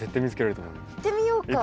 いってみようか。